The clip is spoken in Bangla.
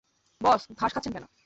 বস, ঘাস খাচ্ছেন কেন?